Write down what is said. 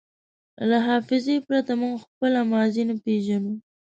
له حافظې پرته موږ خپله ماضي نه پېژنو.